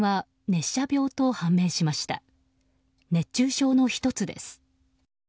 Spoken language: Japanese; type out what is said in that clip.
熱中症の１つです。